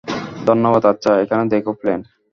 ধন্যবাদ আচ্ছা, এখানে দেখো প্ল্যান।